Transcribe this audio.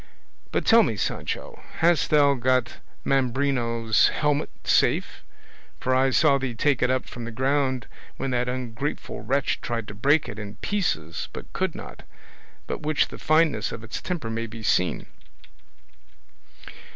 But tell me, Sancho, hast thou got Mambrino's helmet safe? for I saw thee take it up from the ground when that ungrateful wretch tried to break it in pieces but could not, by which the fineness of its temper may be seen."